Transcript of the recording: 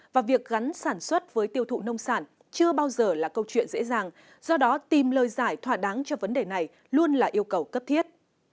và việc gắn sản xuất với tiêu thụ nông sản chưa bao giờ là câu chuyện dễ dàng do đó tìm lời giải thỏa đáng cho vấn đề này luôn là yêu cầu cấp thiết